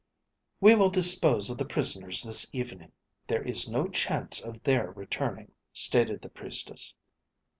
"We will dispose of the prisoners this evening. There is no chance of their returning," stated the Priestess.